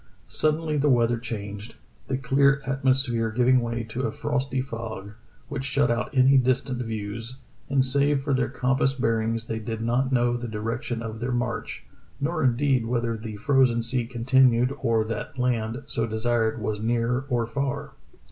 Suddenly the weather changed, the clear atmosphere giving way to a frosty fog, which shut out any distant views, and save for their compass bearings they did not know the direction of their march, nor indeed whether the frozen sea continued or that land, so desired, was near or far.